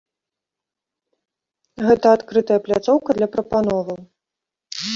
Гэта адкрытая пляцоўка для прапановаў.